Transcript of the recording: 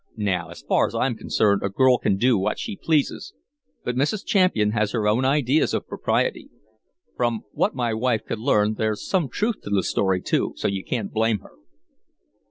Now, as far as I'm concerned, a girl can do what she pleases, but Mrs. Champian has her own ideas of propriety. From what my wife could learn, there's some truth in the story, too, so you can't blame her."